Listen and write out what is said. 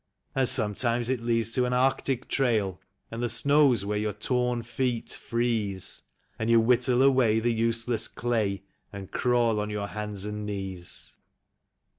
And sometimes it leads to an Arctic trail, and the snows where your torn feet freeze, And you whittle away the useless clay, and crawl on your hands and knees.